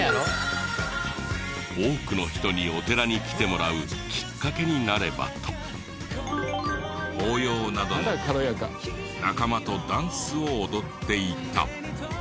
多くの人にお寺に来てもらうきっかけになればと法要などの時仲間とダンスを踊っていた。